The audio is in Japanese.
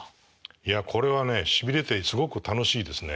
いやこれはねしびれてすごく楽しいですね。